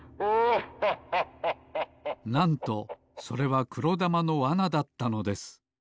なんとそれはくろだまのわなだったのです。